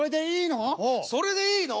それでいいの？